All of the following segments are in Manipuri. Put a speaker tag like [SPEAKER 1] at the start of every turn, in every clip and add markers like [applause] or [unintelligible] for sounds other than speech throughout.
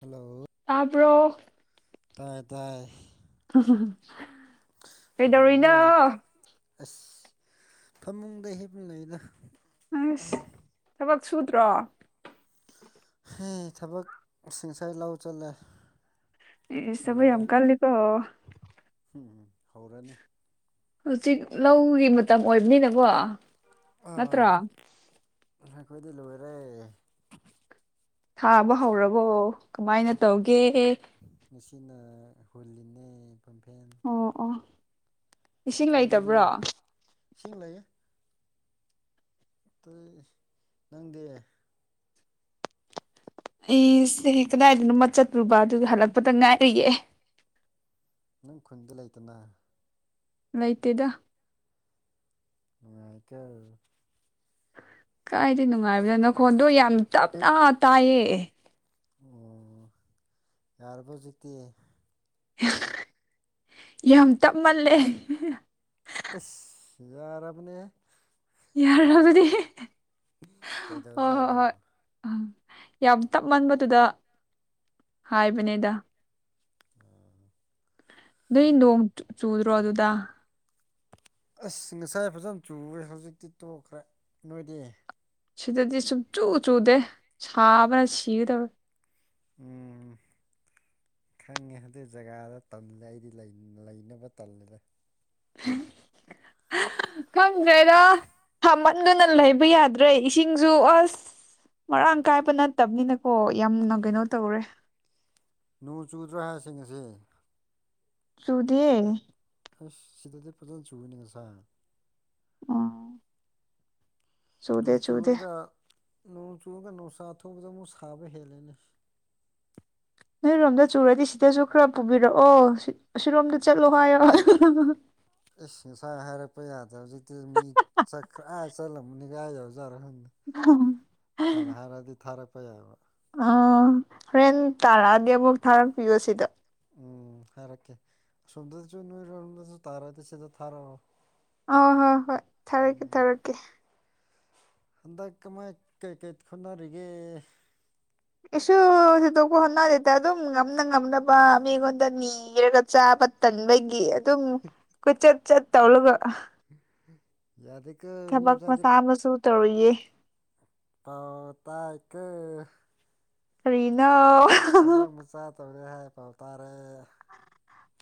[SPEAKER 1] ꯍꯜꯂꯣ
[SPEAKER 2] ꯇꯥꯔꯕꯣ
[SPEAKER 1] ꯇꯥꯏ ꯇꯥꯏ
[SPEAKER 2] [inaudible]
[SPEAKER 1] ꯀꯩꯗꯧꯒꯤꯅꯣ
[SPEAKER 2] ꯀꯩꯗꯧꯔꯤꯅꯣ
[SPEAKER 1] ꯑꯁ ꯐꯃꯨꯡꯗ ꯍꯦꯞ ꯂꯩꯅ
[SPEAKER 2] ꯑꯁ ꯊꯕꯛ ꯁꯨꯗ꯭ꯔꯣ
[SPEAKER 1] ꯊꯕꯛꯁꯤꯡꯁꯦ ꯂꯧ ꯆꯜꯂꯦ
[SPEAKER 2] ꯁꯕꯨ ꯌꯥꯝꯝꯀꯥꯟꯂꯤꯀꯣ
[SPEAKER 1] ꯎꯝ ꯎꯝ ꯍꯧꯔꯅꯤ
[SPEAKER 2] ꯍꯧꯖꯤꯛ ꯂꯧꯒꯤ ꯃꯇꯝ ꯑꯣꯏꯕꯅꯤꯅꯀꯣ
[SPEAKER 1] ꯑꯥ
[SPEAKER 2] ꯅꯠꯇ꯭ꯔꯣ
[SPEAKER 1] ꯑꯩꯈꯣꯏꯗꯤ ꯂꯣꯏꯔꯦ
[SPEAKER 2] ꯊꯥꯕ ꯍꯧꯔꯕꯣ ꯀꯃꯥꯏꯅ ꯇꯧꯒꯦ
[SPEAKER 1] ꯉꯁꯤꯅ ꯍꯨꯜꯂꯤꯅꯦ ꯄꯝꯐꯦꯟ
[SPEAKER 2] ꯑꯣ ꯑꯣ ꯏꯁꯤꯡ
[SPEAKER 1] ꯅꯪꯗꯤ
[SPEAKER 2] ꯂꯩꯇꯕ꯭ꯔꯣ
[SPEAKER 1] ꯇꯣꯏ ꯅꯪꯗꯦ
[SPEAKER 2] ꯑꯦꯁ ꯀꯗꯥꯏꯗꯅꯣꯃ ꯆꯠꯂꯨꯕ ꯑꯗꯨꯒꯤ ꯍꯜꯂꯛꯄꯗ ꯉꯥꯏꯔꯤꯑ
[SPEAKER 1] ꯅꯪ ꯈꯨꯟꯗꯤ ꯂꯩꯗꯅ
[SPEAKER 2] ꯂꯩꯇꯦꯗ
[SPEAKER 1] ꯃ ꯀꯌꯥ
[SPEAKER 2] ꯀꯥꯏꯗ ꯅꯨꯡꯉꯥꯏꯕꯗꯣ ꯅꯈꯣꯟꯗꯣ ꯌꯥꯝ ꯇꯞꯅ ꯇꯥꯏꯌꯦ
[SPEAKER 1] ꯑꯣ ꯌꯥꯔꯕꯨꯖꯤꯛꯇꯤ
[SPEAKER 2] ꯌꯥꯝ ꯇꯞꯃꯜꯂꯦ
[SPEAKER 1] ꯑꯁ ꯌꯥꯔꯕꯅꯦ
[SPEAKER 2] ꯌꯥꯔ ꯑꯗꯨꯗꯤ
[SPEAKER 1] ꯀꯩꯗꯖꯔꯣ
[SPEAKER 2] ꯌꯥꯝ ꯇꯞ ꯃꯟꯕꯗꯨꯗ ꯍꯥꯏꯕꯅꯦꯗ ꯅꯣꯏ ꯅꯣꯡ ꯆꯨꯗ꯭ꯔꯣ ꯑꯗꯨꯗ
[SPEAKER 1] ꯑꯁ ꯉꯁꯥꯏ ꯐꯖꯅ ꯆꯨꯔꯦ ꯍꯧꯖꯤꯛꯇꯤ ꯇꯣꯛꯈ꯭ꯔꯦ ꯅꯣꯏꯗꯤ
[SPEAKER 2] ꯁꯤꯗꯗꯤ ꯁꯨꯝ ꯆꯨ ꯆꯨꯗꯦ ꯁꯥꯕꯅ ꯁꯤꯒꯗꯕ
[SPEAKER 1] ꯎꯝ ꯈꯪꯉꯦ ꯑꯗꯨ ꯖꯒꯥꯗ ꯇꯝꯂꯦ ꯑꯩꯗꯤ ꯂꯩꯅꯕ ꯇꯜꯂꯦꯗ
[SPEAKER 2] [unintelligible] ꯈꯪꯗ꯭ꯔꯦꯗ ꯊꯃꯟꯗꯨꯅ ꯂꯩꯕ ꯌꯥꯗ꯭ꯔꯦ ꯏꯁꯤꯡꯁꯨ ꯑꯁ ꯃꯔꯥꯡ ꯀꯥꯏꯕ ꯅꯠꯇꯕꯅꯤꯅꯀꯣ ꯌꯥꯝꯅ ꯀꯩꯅꯣ ꯇꯧꯔꯦ
[SPEAKER 1] ꯅꯣꯡ ꯆꯨꯗ꯭ꯔꯥ ꯍꯥꯏꯕꯁꯤꯡ ꯑꯁꯤ
[SPEAKER 2] ꯁꯨꯗꯤꯌꯦ
[SPEAKER 1] ꯑꯁ ꯁꯤꯗꯗꯤ ꯐꯖꯅ ꯆꯨꯕꯅꯤ ꯉꯁꯥꯏ
[SPEAKER 2] ꯑꯥ
[SPEAKER 1] ꯆꯨꯗꯨꯒ ꯅꯣꯡ ꯆꯨꯨꯔꯒ ꯅꯨꯡꯁꯥ ꯑꯊꯧꯕꯗ ꯑꯃꯨꯛ ꯁꯥꯕ ꯍꯦꯜꯂꯦꯅꯦ
[SPEAKER 2] ꯅꯣꯏꯔꯣꯝꯗ ꯆꯨꯔꯗꯤ ꯁꯤꯗꯁꯨ ꯈꯔ ꯄꯨꯕꯤꯔꯛꯑꯣ ꯁꯤꯔꯣꯝꯗ ꯆꯠꯂꯣ ꯍꯥꯏꯌꯣ
[SPEAKER 1] ꯏꯁꯁ ꯉꯥ ꯍꯥꯏꯔꯛꯄ ꯌꯥꯗ꯭ꯔꯦ ꯍꯧꯖꯤꯛꯇꯤ ꯃꯤ ꯆꯠꯈ꯭ꯔ ꯑꯥ ꯆꯠꯂꯝꯕꯅꯤꯒ ꯑꯥꯏꯥ ꯌꯎꯖꯥꯔ ꯍꯟꯦ
[SPEAKER 2] ꯑ
[SPEAKER 1] ꯐꯄ ꯌꯥꯕ
[SPEAKER 2] ꯑ ꯍꯣꯔꯦꯟ ꯇꯥꯔꯛꯑꯗꯤ ꯑꯃꯨꯛ ꯊꯥꯔꯛꯄꯤꯌꯣ ꯁꯤꯗ
[SPEAKER 1] ꯎꯝ ꯍꯥꯏꯔꯛꯀꯦ ꯑꯁꯣꯝꯗꯁꯨ ꯅꯣꯏꯔꯣꯟꯝꯗꯁꯨ ꯇꯥꯔꯗꯤ ꯁꯤꯗ ꯊꯥꯔꯛꯑꯣ
[SPEAKER 2] ꯑ ꯍꯣꯏ ꯍꯣꯏ ꯊꯥꯔꯛꯀꯦ ꯊꯥꯔꯛꯀꯦ
[SPEAKER 1] ꯍꯟꯗꯛ ꯃꯥꯏ ꯀꯩꯀꯩ ꯈꯨꯅꯔꯤꯒꯦ
[SPEAKER 2] ꯁ ꯁꯤꯗꯣꯛꯄ ꯍꯣꯠꯅꯁꯤꯇ ꯑꯗꯨꯝ ꯉꯝꯅ ꯉꯝꯅꯕ ꯃꯤꯉꯣꯟꯗꯅꯤꯔꯒ ꯆꯥꯕ ꯇꯟꯕꯒꯤ ꯑꯗꯨꯝ ꯀꯣꯏꯆꯠ ꯆꯠ ꯇꯧꯔꯒ
[SPEAKER 1] ꯌꯥ ꯑꯗꯨ ꯀꯁꯗꯦ
[SPEAKER 2] ꯇꯧꯔꯌꯦ
[SPEAKER 1] ꯇꯥꯎ ꯇ ꯏ
[SPEAKER 2] ꯀꯔꯤꯅꯥ
[SPEAKER 1] ꯇꯧꯅ ꯍꯥꯏ ꯄꯥꯎꯇꯥꯥꯔꯦ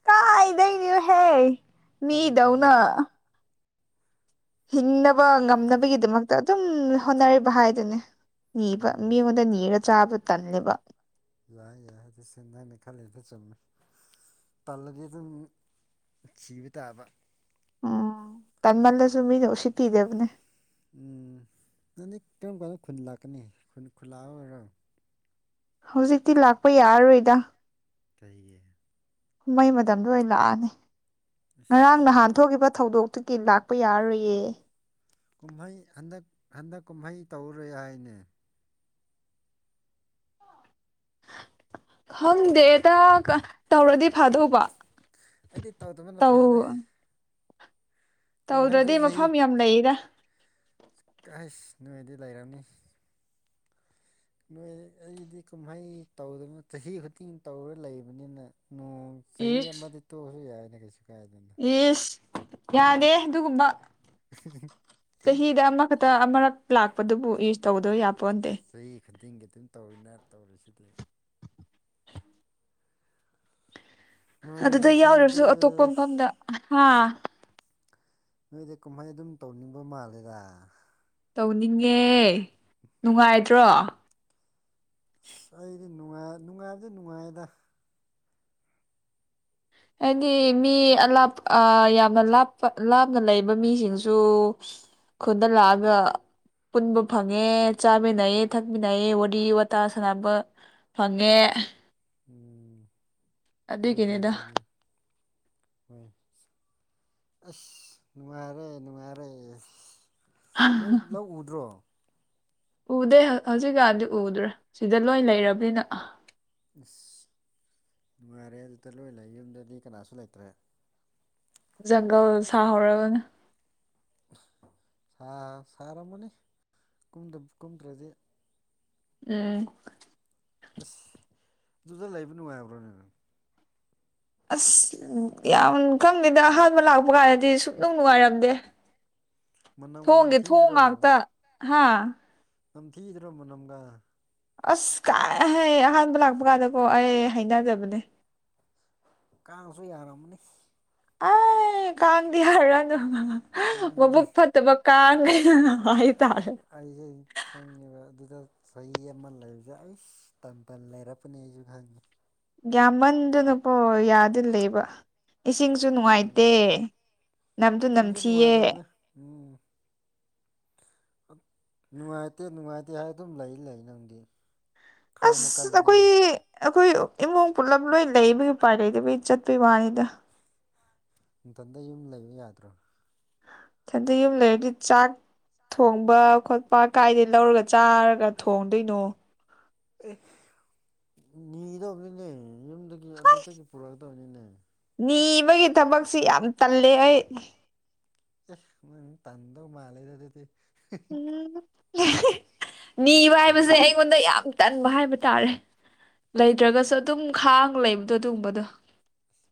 [SPEAKER 2] ꯀꯥꯏꯗꯣꯏꯅꯤꯣꯍꯦ
[SPEAKER 1] ꯐꯔꯦ ꯐꯔꯦ
[SPEAKER 2] ꯅꯤꯗꯧꯅ ꯍꯤꯡꯅꯕ ꯉꯝꯅꯕꯒꯤꯗꯃꯛꯇ ꯑꯗꯨꯝ ꯍꯣꯠꯅꯔꯤꯕ ꯍꯥꯏꯗꯨꯅꯦ ꯅꯤꯕ
[SPEAKER 1] ꯎꯝ
[SPEAKER 2] ꯃꯤꯉꯣꯟꯗ ꯅꯤꯔ ꯆꯥꯕ ꯇꯜꯂꯦꯕ
[SPEAKER 1] ꯌꯥꯏ ꯌꯥꯏ ꯑꯗꯨ ꯁꯤꯅꯅꯤ ꯈꯜꯂꯤꯗꯤ ꯆꯨꯝꯃꯤ ꯄꯜꯂꯗꯤ ꯑꯗꯨꯝ ꯁꯤꯕ ꯇꯥꯕ
[SPEAKER 2] ꯎꯝ ꯇꯟꯃꯜꯗꯁꯨ ꯃꯤꯅ ꯎꯁꯤꯠꯄꯤꯗꯕꯅꯦ
[SPEAKER 1] ꯎꯝ ꯅꯪꯗꯤ ꯀꯔꯝ ꯀꯔꯝꯕ ꯈꯨꯟ ꯂꯥꯛꯀꯅꯤ ꯈꯨꯟ ꯈꯨꯜꯂꯥꯛꯑꯣ ꯑꯣꯏꯔꯣ
[SPEAKER 2] ꯍꯧꯖꯤꯛꯇꯤ ꯂꯥꯛꯄ ꯌꯥꯔꯔꯣꯏꯗ
[SPEAKER 1] ꯇꯏꯌꯦ
[SPEAKER 2] ꯀꯨꯝꯍꯩ ꯃꯇꯝꯗꯣ ꯑꯣꯏꯅ ꯂꯥꯛꯑꯅꯤ ꯉꯔꯥꯡ
[SPEAKER 1] ꯑꯁ
[SPEAKER 2] ꯅꯍꯥꯟ ꯊꯣꯛꯈꯤꯕ ꯊꯧꯗꯣꯛꯇꯨꯒꯤ ꯂꯥꯛꯄ ꯌꯥꯔꯣꯏꯌꯦ
[SPEAKER 1] ꯀꯨꯝꯍꯩ ꯍꯟꯗꯛ ꯍꯟꯗꯛ ꯀꯨꯝꯍꯩ ꯇꯧꯔꯦ ꯍꯥꯏꯅꯦ
[SPEAKER 2] ꯈꯪꯗꯦꯗ ꯇꯧꯔꯗꯤ ꯐꯥꯗꯧꯕ
[SPEAKER 1] ꯑꯩꯗꯤ ꯇꯧꯗꯃꯅ
[SPEAKER 2] ꯇꯧ
[SPEAKER 1] ꯐꯩꯔꯦ
[SPEAKER 2] ꯇꯧꯗ꯭ꯔꯗꯤ ꯃꯐꯝ ꯌꯥꯝ ꯂꯩꯗ
[SPEAKER 1] ꯀꯁ ꯅꯅꯨꯡꯗꯤ ꯂꯩꯔꯝꯅꯤ ꯅꯣꯏ ꯑꯩꯗꯤ ꯀꯨꯝꯍꯩ ꯇꯧꯗꯅ ꯆꯍꯤ ꯈꯨꯗꯤꯡ ꯇꯧꯔ ꯂꯩꯕꯅꯤꯅ ꯅꯣꯡ ꯆꯍꯤ ꯑꯃꯗꯤ ꯇꯣꯛꯑꯁꯨ ꯌꯥꯏꯅꯦ ꯀꯩꯁꯨ ꯀꯥꯏꯗꯅ
[SPEAKER 2] ꯌꯦꯁ ꯌꯥꯔꯦ ꯑꯗꯨꯒꯨꯝꯕ
[SPEAKER 1] [inaudible]
[SPEAKER 2] ꯆꯍꯤꯗ ꯑꯃꯈꯛꯇ ꯑꯃꯔꯛ ꯂꯥꯛꯄꯗꯨꯕꯨ ꯌꯨꯁ ꯇꯧꯗꯣ ꯌꯥꯄꯟꯗꯦ
[SPEAKER 1] ꯆꯍꯤ ꯈꯨꯗꯤꯡꯒꯤ ꯑꯗꯨꯝ ꯇꯧꯔꯤꯅ ꯇꯧꯔꯤꯁꯤꯗꯤ ꯅꯣꯏꯗꯤ
[SPEAKER 2] ꯑꯗꯨꯗ ꯌꯥꯎꯔꯨꯔꯁꯨ
[SPEAKER 1] ꯈꯪꯗꯦ
[SPEAKER 2] ꯑꯇꯣꯞꯄ ꯃꯐꯝꯗ ꯍꯥ
[SPEAKER 1] ꯅꯣꯏꯗꯤ ꯀꯨꯝꯍꯥꯏ ꯑꯗꯨꯝ ꯇꯧꯅꯤꯡꯕ ꯃꯥꯜꯂꯦꯗ
[SPEAKER 2] ꯇꯧꯅꯤꯡꯉꯦ ꯅꯨꯡꯉꯥꯏꯗ꯭ꯔꯣ
[SPEAKER 1] ꯑꯁ ꯑꯩꯗꯤꯅꯨꯡꯥꯏ ꯅꯨꯡꯉꯥꯏꯕꯁꯦ ꯅꯨꯡꯉꯥꯏꯗ
[SPEAKER 2] ꯍꯥꯏꯗꯤ ꯃꯤ ꯑꯥꯞ ꯌꯥꯝꯅ ꯂꯥꯞꯄ ꯂꯥꯞꯅ ꯂꯩꯕ ꯃꯤꯁꯤꯡꯁꯨ ꯈꯨꯗ ꯔꯥꯒ ꯄꯨꯟꯕ ꯐꯪꯉꯦ ꯆꯥꯃꯤꯟꯅꯩꯌꯦ ꯊꯛꯃꯤꯟꯅꯩ ꯋꯥꯔꯤ ꯋꯥꯇꯥ ꯁꯥꯟꯅꯕ ꯐꯪꯉꯦ
[SPEAKER 1] ꯎꯝ ꯑꯗꯨ ꯑꯣꯏꯗꯤ
[SPEAKER 2] ꯑꯗꯨꯒꯤꯅꯤꯗ
[SPEAKER 1] ꯑꯗꯨ ꯑꯣꯏꯅꯦ ꯍ ꯑꯁ ꯅꯨꯡꯉꯥꯏꯔꯦ ꯅꯨꯡꯉꯥꯏꯔꯦ ꯑꯁ ꯅꯣꯏ ꯂꯧꯎꯗ꯭ꯔꯣ
[SPEAKER 2] ꯎꯗꯦ ꯍꯧꯖꯤꯛꯀꯥꯟꯗꯤ ꯎꯗ꯭ꯔꯦ ꯁꯤꯗ ꯂꯣꯏ ꯂꯩꯔꯕꯅꯤꯅ
[SPEAKER 1] ꯑꯁ ꯅꯨꯡꯉꯥꯏꯔꯦ ꯑꯗꯨꯗ ꯂꯣꯏ ꯂꯩ ꯌꯨꯝꯗꯗꯤ ꯀꯅꯥꯁꯨ ꯂꯩꯇ꯭ꯔꯦ
[SPEAKER 2] ꯖꯪꯒꯜ ꯁꯥꯍꯔꯦꯜ
[SPEAKER 1] ꯁꯥꯔꯝꯃꯅꯤ ꯀꯨꯝꯗ꯭ꯔꯗꯤ
[SPEAKER 2] ꯎꯝ
[SPEAKER 1] ꯑꯦꯁ ꯗꯨꯗ ꯂꯩꯕ ꯋꯥ ꯌꯥꯕ꯭ꯔꯣꯅꯦꯅ
[SPEAKER 2] ꯑꯁ ꯌꯥꯝ ꯈꯪꯗꯦꯗ ꯑꯍꯥꯟꯕ ꯂꯥꯛꯄ ꯀꯥꯟꯗꯗꯤ ꯁꯨꯗꯧ ꯅꯨꯡꯉꯥꯏꯔꯝꯗꯦ
[SPEAKER 1] ꯃꯅꯝꯒ
[SPEAKER 2] ꯊꯣꯡꯒꯦ ꯊꯣꯡ
[SPEAKER 1] ꯅꯝꯊꯤꯗ꯭ꯔꯣ
[SPEAKER 2] ꯉꯥꯛꯇ ꯍꯥꯥ
[SPEAKER 1] ꯅꯝ ꯊꯤꯗ꯭ꯔꯣꯃ ꯅꯝꯒ
[SPEAKER 2] ꯑꯁ ꯀꯥꯏ ꯍꯥꯏ ꯑꯍꯥꯟꯕ ꯂꯥꯛꯄ ꯀꯥꯟꯗꯀꯣ ꯑꯩ ꯍꯥꯏꯩꯅꯖꯕꯅꯦ
[SPEAKER 1] ꯀꯥꯡꯁꯨ ꯌꯥꯔꯝꯃꯅꯤ
[SPEAKER 2] ꯑ ꯀꯥꯟꯗꯤ ꯍꯥꯏꯔ
[SPEAKER 1] ꯑꯗꯨꯅ
[SPEAKER 2] ꯃꯕꯨꯛ ꯐꯠꯇꯕ ꯀ
[SPEAKER 1] ꯑꯩꯁꯦ ꯈꯪꯉꯦꯕ ꯑꯗꯨꯗ ꯆꯍꯤ ꯑꯃ ꯂꯩꯕꯁꯦ ꯑꯩ ꯇꯟ ꯇꯟ ꯂꯩꯔꯛꯄꯅꯦ ꯑꯩꯁꯨ ꯈꯪꯉꯦ
[SPEAKER 2] ꯌꯥꯝꯒ꯭ꯃꯟꯗꯨꯅꯨ ꯄꯣ ꯌꯥꯗꯤꯂꯕ ꯏꯁꯤꯡꯁꯨ ꯅꯨꯡꯉꯥꯏꯇꯦ
[SPEAKER 1] ꯎꯝ
[SPEAKER 2] ꯅꯝꯗꯨ
[SPEAKER 1] ꯁꯤꯡꯁꯨ
[SPEAKER 2] ꯅꯝꯊꯤꯌꯦ
[SPEAKER 1] ꯅꯨꯡꯉꯥꯏꯇꯕꯅꯦ ꯎꯝ ꯅꯨꯡꯉꯥꯏꯇꯦ ꯅꯨꯡꯉꯥꯏꯇꯦ ꯍꯥꯏ ꯑꯗꯨꯝ ꯂꯩ ꯂꯩ ꯅꯪꯗꯤ ꯈꯥꯡꯕ
[SPEAKER 2] ꯑꯁ
[SPEAKER 1] ꯀꯜꯂꯤꯅ
[SPEAKER 2] ꯑꯩꯈꯣꯏ ꯑꯩꯈꯣꯏ ꯏꯃꯨꯡ ꯄꯨꯂꯞ ꯂꯣꯏ ꯂꯩꯕ ꯎꯄꯥꯏ ꯂꯩꯇꯕꯩ ꯆꯠꯄꯩ ꯋꯥꯅꯤꯗ
[SPEAKER 1] ꯊꯟꯗ ꯌꯨꯝ ꯂꯩꯕ ꯌꯥꯗ꯭ꯔꯣ
[SPEAKER 2] ꯈꯗꯤ ꯌꯨꯝ ꯂꯩꯔꯗꯤ ꯆꯥꯛ ꯊꯣꯡꯕ ꯈꯣꯠꯄ ꯀꯥꯏꯗꯒꯤꯩ ꯂꯧꯔꯒ ꯆꯥꯔꯒ ꯊꯣꯡꯗꯣꯏꯅꯣ
[SPEAKER 1] ꯅꯤꯗꯧꯕꯅꯤꯅꯦ ꯌꯨꯝꯗꯒꯤ ꯑꯗꯨꯗꯒꯤ ꯄꯨꯔꯛꯗꯕꯅꯤꯅꯦ
[SPEAKER 2] ꯅꯤꯕꯒꯤ ꯊꯕꯛꯁꯤ ꯌꯥꯝ ꯇꯜꯂꯦ ꯑꯩ
[SPEAKER 1] ꯎꯝ ꯇꯗ ꯃꯥꯂꯦꯗ ꯑꯗꯨꯗꯤ
[SPEAKER 2] ꯎꯝ ꯅꯤꯕ ꯍꯥꯏꯕꯁꯦ ꯑꯩꯉꯣꯟꯗ ꯌꯥꯝ ꯇꯟꯕ ꯍꯥꯏꯕ ꯍꯥꯏꯇꯥꯔꯦ ꯂꯩꯇ꯭ꯔꯒꯁꯨ ꯑꯗꯨꯝ ꯈꯥꯡ ꯂꯩꯕꯗꯣ ꯑꯗꯨꯒꯨꯝꯕꯗꯣ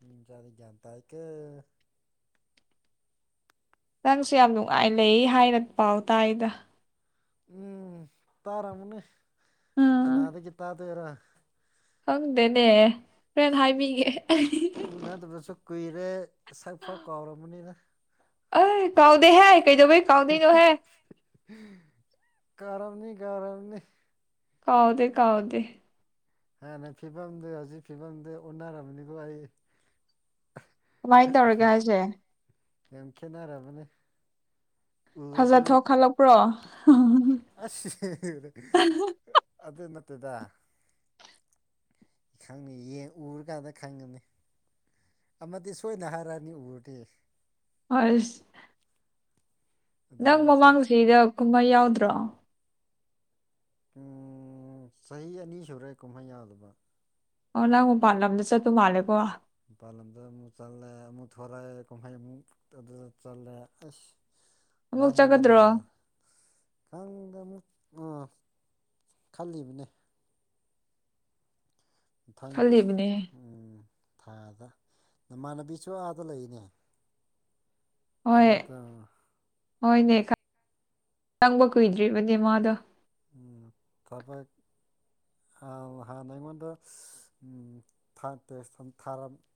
[SPEAKER 1] ꯃꯤꯁꯔꯤ ꯟꯇꯥ ꯀ
[SPEAKER 2] ꯅꯪꯁꯨ ꯌꯥꯝ ꯅꯨꯡꯉꯥꯏ ꯂꯩ ꯍꯥꯏꯅ ꯄꯥꯎ ꯇꯥꯏꯗ
[SPEAKER 1] ꯎꯝ ꯇꯔꯥ ꯃꯟꯅ
[SPEAKER 2] ꯎꯝ
[SPEAKER 1] ꯀꯅꯥꯗꯠꯇ ꯇꯔ
[SPEAKER 2] ꯈꯪꯗꯦꯅꯦ ꯍꯣꯔꯦꯟ ꯍꯥꯏꯕꯤꯒꯦ
[SPEAKER 1] ꯎꯅꯗꯕꯁꯨ ꯀꯨꯏꯔꯦ ꯁꯛꯐ ꯀꯥꯎꯔꯕꯔꯕꯅꯤꯅ
[SPEAKER 2] ꯑ ꯀꯥꯎꯗ ꯍꯥꯏ ꯀꯩꯗꯧꯩ ꯀꯥꯎꯗꯗ ꯍꯥꯏ
[SPEAKER 1] ꯀꯥꯔꯝꯅꯤ ꯀꯥꯔꯝꯅꯤ
[SPEAKER 2] ꯀꯥꯎꯥꯎꯗ ꯀꯥꯎꯗ
[SPEAKER 1] ꯍꯥꯟꯅ ꯐꯤꯕꯝꯗꯨ ꯍꯧꯖꯤꯛ ꯐꯤꯕꯝꯗꯨ ꯎꯟꯅꯔꯕꯅꯤꯀꯣ ꯑꯩ
[SPEAKER 2] ꯃꯥꯏ ꯇꯧꯔꯒꯥꯁꯦ
[SPEAKER 1] ꯌꯦꯡꯈꯦꯅꯔꯥ ꯃꯅꯤ
[SPEAKER 2] ꯐꯖ
[SPEAKER 1] ꯎꯁꯨ
[SPEAKER 2] ꯊꯣꯛꯈꯠꯂꯛꯄ꯭ꯔꯣ
[SPEAKER 1] ꯑꯗꯨ ꯅꯠꯇꯗ ꯈꯪꯅꯤ ꯌꯦ ꯎꯔꯀꯥꯟꯗ ꯈꯪꯒꯅꯤ ꯑꯃꯗꯤ ꯁꯣꯏꯅ ꯍꯥꯏꯔꯛꯑꯅꯤ ꯎꯔꯗꯦ
[SPEAKER 2] ꯍꯣꯏ
[SPEAKER 1] ꯑꯗꯨ
[SPEAKER 2] ꯅꯪ
[SPEAKER 1] ꯁꯤ
[SPEAKER 2] ꯃꯃꯥꯡꯁꯤꯗ ꯀꯨꯝꯍꯩ ꯌꯥꯎꯗ꯭ꯔꯣ
[SPEAKER 1] ꯎ ꯆꯍꯤ ꯑꯅꯤ ꯁꯨꯔꯦ ꯀꯨꯝꯍꯩ ꯌꯥꯗꯕ
[SPEAKER 2] ꯑꯣ ꯂꯥꯛꯑꯣ ꯐꯥꯟ ꯂꯥꯎꯗ ꯆ ꯇꯨꯡ ꯍꯥꯦꯀꯣ
[SPEAKER 1] ꯃꯄꯥꯥꯟ ꯂꯝꯗ ꯑꯃꯨꯛ ꯆꯜꯂꯦ ꯑꯃꯨꯛ ꯊꯣꯔꯛꯑꯦ ꯀꯨꯝꯍꯩ ꯑꯃꯨꯛ ꯑꯗꯨꯗ ꯆꯜꯂꯦ ꯑꯁ
[SPEAKER 2] ꯑꯃꯨꯛ
[SPEAKER 1] ꯂꯥꯡꯕꯗꯅ
[SPEAKER 2] ꯆꯠꯀꯗ꯭ꯔꯣ
[SPEAKER 1] ꯌꯥꯗ ꯑꯃꯨ ꯑꯥ ꯈꯜꯂꯤꯕꯅꯦ ꯃꯊꯪ
[SPEAKER 2] ꯈꯜꯂꯤꯕꯅꯦ
[SPEAKER 1] ꯎꯝ ꯊꯥꯗ ꯅꯃꯥꯟꯅꯕꯤꯁꯨ ꯑꯥꯗ ꯂꯩꯔꯤꯅꯦ
[SPEAKER 2] ꯍꯣꯏ
[SPEAKER 1] ꯑꯃ
[SPEAKER 2] ꯍꯣꯏꯅꯦ ꯆꯪꯕ ꯀꯨꯏꯗ꯭ꯔꯤꯕꯅꯦ ꯃꯥꯗꯣ
[SPEAKER 1] ꯎ ꯇꯥꯕꯥ ꯍꯝ ꯃꯗ ꯎꯝ ꯊ ꯇꯦꯁ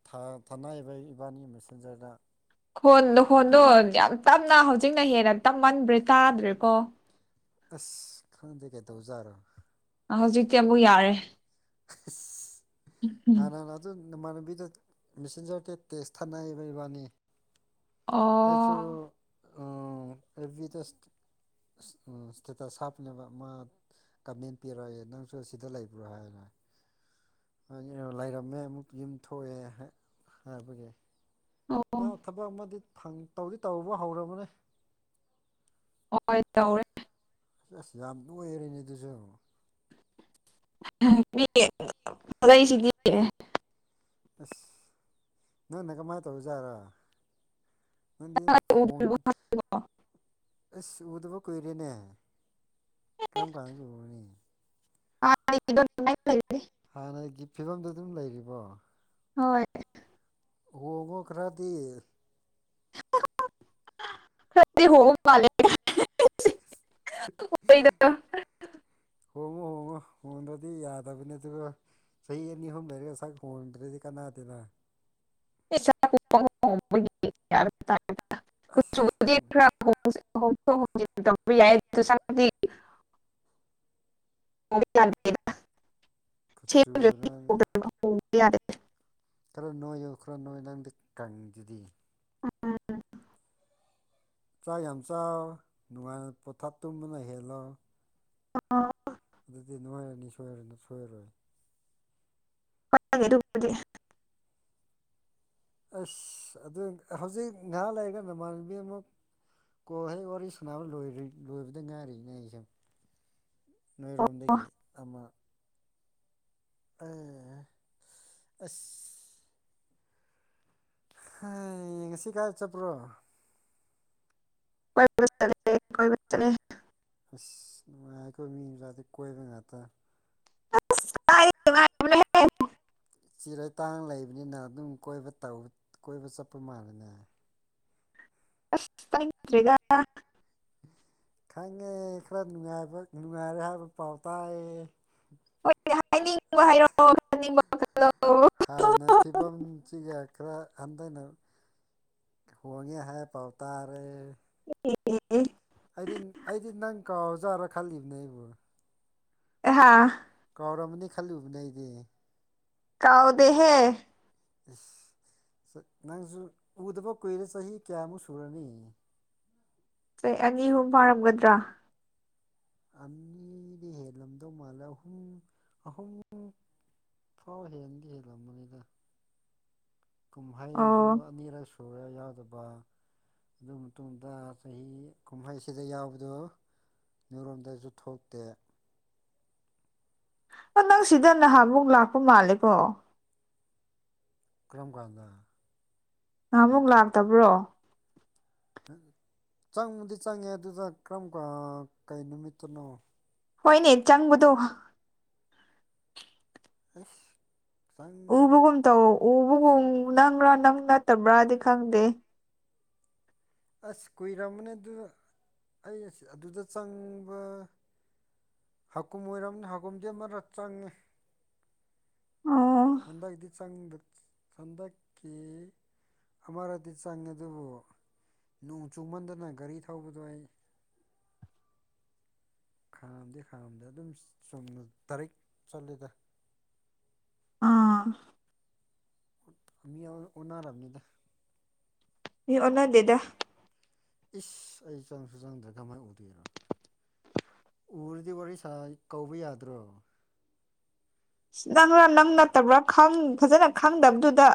[SPEAKER 1] ꯊ ꯁꯅꯥꯏꯕ ꯏꯕꯥꯅꯤ ꯃꯦꯁꯦꯟꯖꯔꯗ
[SPEAKER 2] ꯈꯣꯟꯗ ꯈꯣꯟꯗꯣ ꯌꯥꯝ ꯇꯞꯅ ꯍꯧꯖꯤꯛꯅ ꯍꯦꯟꯅ ꯇꯝꯃꯟꯕ꯭ꯔꯦ ꯇꯥꯗ꯭ꯔꯦꯀꯣ
[SPEAKER 1] ꯑꯁ ꯈꯪꯗꯦꯒꯩꯗꯧꯖꯥꯔꯣ
[SPEAKER 2] ꯍꯧꯖꯤꯛꯇꯤ ꯑꯃꯨꯛ ꯌꯥꯔꯦ
[SPEAKER 1] [unintelligible]
[SPEAKER 2] ꯎꯝ
[SPEAKER 1] ꯍꯥꯟꯅꯥꯟꯅ ꯑꯗꯨ ꯅꯣꯡꯃꯥꯟꯕꯤꯗ ꯃꯦꯁꯦꯟꯖꯔ ꯀ ꯇꯦꯁ ꯊꯥꯅꯔꯤꯕ ꯏꯕꯥꯅꯤ
[SPEAKER 2] ꯑꯣ
[SPEAKER 1] ꯑꯩꯁꯨ ꯑꯦꯚꯔꯤ ꯗꯁ ꯎꯝ ꯇꯇ ꯁꯥꯐꯅꯦꯕ ꯃꯥ ꯀꯃꯦꯟ ꯄꯤꯔꯛꯑꯒꯦ ꯅꯪꯁꯨ ꯁꯤꯗ ꯂꯩꯕ꯭ꯔꯣ ꯍꯥꯏꯔꯦ ꯂꯩꯔꯝꯃꯦ ꯑꯃꯨꯛ ꯌꯨꯝ ꯊꯣꯛꯑꯦ ꯍꯥꯏꯕꯒꯤ
[SPEAKER 2] ꯑꯣ
[SPEAKER 1] ꯃꯥ ꯊꯕꯛ ꯑꯃꯗꯤ ꯇꯧꯗꯤ ꯇꯧꯔꯨꯕ ꯍꯧꯔꯕꯅꯦ
[SPEAKER 2] ꯍꯣꯏ ꯇꯧꯔꯦ
[SPEAKER 1] ꯑꯁ ꯑꯁ ꯌꯥꯝ ꯂꯣꯏꯔꯦꯅꯦ ꯑꯗꯨꯁꯨ
[SPEAKER 2] ꯁꯤꯦ
[SPEAKER 1] ꯑꯁ ꯅꯪ ꯅ ꯀꯃꯥꯏꯅ ꯇꯧꯖꯥꯔꯣ ꯅꯪꯗꯤ ꯐꯣꯟ ꯑꯁ ꯎꯗꯕ ꯀꯨꯏꯔꯦꯅꯦ ꯊꯪꯄꯥꯗ ꯀꯕꯅꯤ
[SPEAKER 2] [inaudible]
[SPEAKER 1] ꯍꯥꯟꯅꯒꯤ ꯐꯤꯕꯝꯗꯨ ꯑꯗꯨꯝ ꯂꯩꯔꯤꯕꯣ
[SPEAKER 2] ꯍꯣꯏ
[SPEAKER 1] ꯎꯣꯡꯉ ꯈꯔꯗꯤ
[SPEAKER 2] ꯀ ꯍꯦ ꯑꯣꯏꯗ
[SPEAKER 1] ꯍꯣꯟꯕ꯭ꯔꯗꯤ ꯌꯥꯗꯕꯅꯤ ꯑꯗꯨꯒ ꯆꯍꯤ ꯑꯅꯤ ꯑꯍꯨꯝ ꯂꯩꯔꯒ ꯁꯛ ꯍꯣꯡꯗ꯭ꯔꯗꯤ ꯀꯅꯥꯗꯅ
[SPEAKER 2] [inaudible] ꯌꯥ ꯁ
[SPEAKER 1] ꯑꯁ
[SPEAKER 2] ꯆ
[SPEAKER 1] ꯀꯆꯨꯔ
[SPEAKER 2] ꯌꯥꯗ
[SPEAKER 1] ꯈꯔ ꯅꯣꯏꯌꯨ ꯈꯔ ꯅꯣꯏ ꯅꯪꯗꯤ ꯀꯪꯗꯨꯗꯤ
[SPEAKER 2] ꯎꯝ
[SPEAKER 1] ꯆꯥꯛ ꯌꯥꯝ ꯆ ꯅꯨꯡꯉꯥꯏꯅ ꯄꯣꯊꯥ ꯇꯨꯝꯕꯅ ꯍꯦꯜꯂꯣ
[SPEAKER 2] ꯑ
[SPEAKER 1] ꯑꯗꯨꯗꯤ ꯅꯨꯡꯉꯥꯏꯔꯅꯤ ꯁꯣꯏꯔꯅ ꯁꯣꯏꯔꯔꯣꯏ
[SPEAKER 2] ꯍꯒꯦꯗꯤ
[SPEAKER 1] ꯑꯁ ꯑꯗꯨ ꯍꯧꯖꯤꯛ ꯉꯥꯏꯍꯥꯛ ꯂꯩꯔꯒ ꯅꯃꯥꯟꯅꯕꯤ ꯑꯃꯨ ꯀꯁꯣꯏ ꯋꯥꯔꯤꯔꯤ ꯁꯅꯥꯕ ꯂꯣꯏ ꯂꯕꯗ ꯉꯍꯥꯔꯤ ꯉ
[SPEAKER 2] ꯑꯣ
[SPEAKER 1] ꯅꯣꯏꯔꯣꯝꯗꯒꯤ ꯑꯃ ꯎꯥ ꯑꯁ ꯍ ꯌꯦ ꯉꯁꯤ ꯀꯥꯏ ꯆ ꯄꯨ꯭ꯔꯣ
[SPEAKER 2] ꯀꯣꯏꯦ ꯀꯦ
[SPEAKER 1] ꯑꯁ ꯅꯨꯡꯉꯥꯏ ꯑꯩꯈꯣꯏ ꯃꯤ ꯃꯆꯥꯗꯤ ꯀꯣꯏꯕ ꯉꯥꯛꯇ
[SPEAKER 2] ꯑ
[SPEAKER 1] ꯆꯤꯔꯇꯥꯡ ꯂꯩꯕꯅꯤꯅ ꯑꯗꯨꯝ ꯀꯣꯏꯕ ꯀꯣꯏꯕ ꯆꯠꯄ ꯃꯥꯜꯂꯦꯅꯦ
[SPEAKER 2] ꯑꯁ ꯇꯉꯗ꯭ꯔꯤꯒ
[SPEAKER 1] ꯈꯪꯉꯦ ꯈꯔ ꯅꯨꯡꯉꯥꯏꯕ ꯅꯨꯡꯉꯥꯏꯔꯦ ꯍꯥꯏꯕ ꯄꯥꯎ ꯇꯥꯏꯑ
[SPEAKER 2] ꯍꯣꯏ ꯍꯥꯏꯅꯤꯡꯕ ꯍꯥꯏꯔꯛꯑꯣ ꯍꯥꯏꯅꯤꯡꯕ
[SPEAKER 1] ꯍꯥꯟꯅ ꯐꯤꯕꯝꯁꯤꯒ ꯈꯔ ꯍꯟꯊꯅ ꯍꯣꯡꯒꯦ ꯍꯥꯏꯦ ꯄꯥꯎꯇꯥꯔꯦ
[SPEAKER 2] ꯎꯝ
[SPEAKER 1] ꯑꯩꯗꯤ ꯑꯩꯗꯤ ꯅꯪ ꯀꯥꯎꯖꯥꯔꯥ ꯈꯜꯂꯤꯕꯅꯦ ꯑꯩꯕꯨ
[SPEAKER 2] ꯍꯥꯥ
[SPEAKER 1] ꯀꯥꯎꯔꯝꯃꯅꯤ ꯈꯜꯂꯨꯕꯅꯦ ꯑꯩꯗꯤ
[SPEAKER 2] ꯀꯥꯎꯗꯦꯍꯦ
[SPEAKER 1] ꯑꯁ ꯅꯪꯁꯨ ꯎꯗꯕ ꯀꯨꯏꯔꯦ ꯆꯍꯤ ꯀꯌꯥꯃꯨꯛ ꯁꯨꯔꯅꯤ
[SPEAKER 2] ꯁ ꯑꯅꯤ ꯑꯍꯨꯝ ꯐꯥꯔꯝꯒꯗ꯭ꯔꯥ
[SPEAKER 1] ꯑꯅꯤꯗꯤ ꯍꯦꯜꯂꯝꯗꯧ ꯃꯥꯜꯂꯦ ꯑꯍꯨꯝ ꯑꯍꯨꯝ ꯊꯥꯎ ꯍꯦꯟꯗꯤ ꯍꯦꯜꯂꯝꯕꯅꯤꯗ ꯀꯨꯝꯍꯩꯁꯨ
[SPEAKER 2] ꯑꯣ
[SPEAKER 1] ꯑꯅꯤꯔꯛ ꯁ ꯆꯣꯡꯗꯥ ꯍꯖꯥꯗ ꯕꯥ ꯑꯗꯨ ꯃꯇꯨꯡꯗ ꯆꯍꯤ ꯀꯨꯝꯍꯩꯁꯤꯗ ꯌꯥꯎꯕꯗ ꯌꯔꯣꯝꯗꯁꯨ ꯊꯣꯛꯇꯦ
[SPEAKER 2] ꯅꯪ ꯁꯤꯗ ꯅꯍꯥꯃꯨꯛ ꯂꯥꯛꯄ ꯃꯥꯜꯂꯦꯀꯣ
[SPEAKER 1] ꯀ꯭ꯔꯝ ꯀꯥꯟꯗ
[SPEAKER 2] ꯅꯍꯥ ꯑꯃꯨꯛ ꯂꯥꯛꯇꯕ꯭ꯔꯣ
[SPEAKER 1] ꯆꯪꯕꯗꯤ ꯆꯪꯉꯦ ꯑꯗꯨꯗ ꯀꯔꯝ ꯀꯩ ꯅꯨꯃꯤꯠꯇꯅꯣ
[SPEAKER 2] ꯍꯣꯏꯅꯦ ꯆꯪꯕꯗꯣ
[SPEAKER 1] ꯑꯁ
[SPEAKER 2] ꯎꯕꯒꯨꯝ ꯇꯧ ꯎꯕꯒꯨꯝ ꯅꯪꯒ꯭ꯔꯥ ꯅꯪ ꯅꯠꯇꯕ꯭ꯔꯥꯗꯤ ꯈꯪꯗꯦ
[SPEAKER 1] ꯑꯁ ꯀꯨꯏꯔꯝꯕꯅꯦ ꯑꯗꯨ ꯑꯩꯁ ꯑꯗꯨꯗ ꯆꯪꯕ ꯍꯥꯀꯨꯝ ꯑꯣꯏꯔꯝꯅꯤ ꯍꯥꯀꯨꯝꯗꯤ ꯑꯃ ꯆꯪꯉꯤ
[SPEAKER 2] ꯑꯣ
[SPEAKER 1] ꯍꯟꯗꯛꯇꯤ ꯍꯟꯗꯛꯀꯤ ꯑꯃꯔꯗꯤ ꯆꯪꯉꯦ ꯑꯗꯨꯕꯨ ꯅꯣꯡ ꯆꯨꯃꯟꯗꯅ ꯒꯥꯔꯤ ꯊꯧꯕꯗꯣ ꯑꯩ ꯈꯥꯝꯗꯤ ꯈꯥꯝꯗ ꯑꯗꯨꯝ ꯆꯨꯝꯅ ꯇꯥꯔꯤꯛ ꯆꯠꯂꯤꯗ
[SPEAKER 2] ꯑꯥ
[SPEAKER 1] ꯃꯤ ꯑꯣꯟꯅꯔꯕꯅꯤꯗ
[SPEAKER 2] ꯃꯤ ꯑꯣꯟꯅꯗꯦꯗ
[SPEAKER 1] ꯏꯁ ꯑꯩ ꯆꯪꯁꯨ ꯆꯪꯗ꯭ꯔꯥ ꯀꯃꯥꯏꯅ ꯎꯗꯣꯏꯔꯣ ꯎꯔꯗꯤ ꯋꯥꯔꯤ ꯁꯥ ꯀꯧꯕ ꯌꯥꯗ꯭ꯔꯣ
[SPEAKER 2] ꯑꯁ ꯅꯪꯔꯥ ꯅꯪ ꯅꯠꯇꯕ꯭ꯔꯥ ꯐꯖꯅ ꯈꯪꯗꯕꯗꯨꯗ